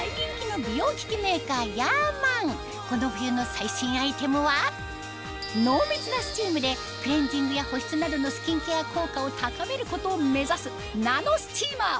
今この冬の最新アイテムは濃密なスチームでクレンジングや保湿などのスキンケア効果を高めることを目指すナノスチーマー